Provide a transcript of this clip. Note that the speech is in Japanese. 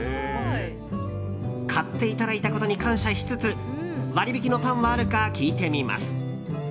買っていただいたことに感謝しつつ割引のパンはあるか聞いてみます。